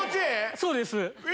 そうです。え！